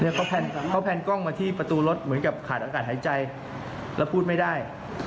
เขาแพนกล้องมาที่ประตูรถเหมือนกับขาดอากาศหายใจแล้วพูดไม่ได้